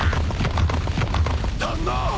旦那！